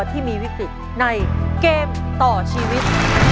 ที่มีวิกฤตในเกมต่อชีวิต